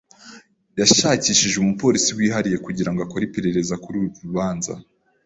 Yashakishije umupolisi wihariye kugira ngo akore iperereza kuri uru rubanza.